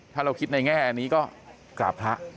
ถ้าเราคิดในแง่อันนี้ก็กราบพระ